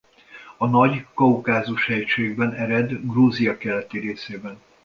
A Nagy-Kaukázus hegységben ered Grúzia keleti részében.